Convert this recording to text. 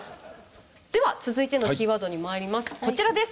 では続いてのキーワードに参ります。